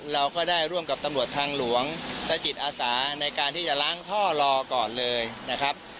เราก็ได้ร่วมกับตำรวจทางหลวงและจิตอาสาในการที่จะล้างท่อรอก่อนเลยนะครับ